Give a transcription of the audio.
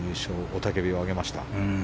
雄たけびを上げました。